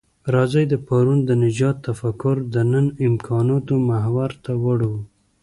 راځئ د پرون د نجات تفکر د نن امکاناتو محور ته راوړوو.